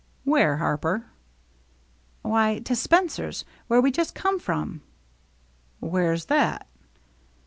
"Where, Harper?" "Why, to Spencer's, where we just come from." "Where's that?"